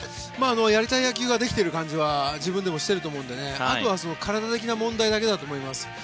やりたい野球ができてる感じは自分でもしていると思うのであとは体的な問題だけだと思います。